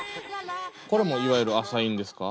これもいわゆるアサインですか？